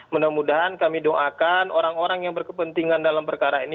mudah mudahan kami doakan orang orang yang berkepentingan dalam perkara ini